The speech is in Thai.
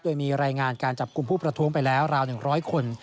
โดยมีรายงานการจับกลุ่มผู้ประท้วงไปแล้วราว๑๐๐คน